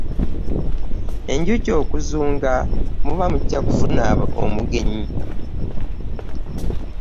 Enjuki okuzunga, muba mujjakufuna omugenyi.